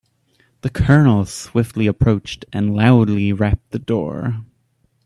The colonel swiftly approached and loudly rapped the door.